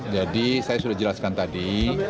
saya sudah jelaskan tadi